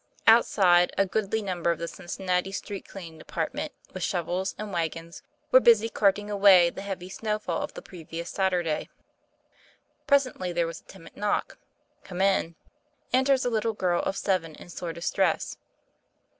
Outside a goodly number of the Cincinnati street cleaning department with shovels and wagons were busy carting away the heavy snowfall of the previous Saturday. Presently there was a timid knock. "Come in." Enters a little girl of seven in sore distress.